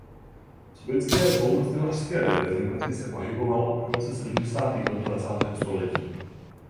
V sovětské volnostylařské reprezentaci se pohyboval od konce sedmdesátých let dvacátého století.